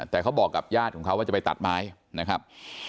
แต่เขาบอกกับญาติของเขาว่าจะไปตัดไม้นะครับ